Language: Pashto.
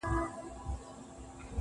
ترڅو له ماڅخه ته هېره سې~